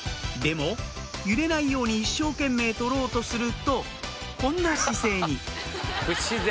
揺れないように一生懸命撮ろうとするとこんな姿勢に不自然